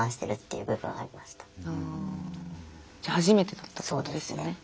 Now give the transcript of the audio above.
じゃあ初めてだったってことですよね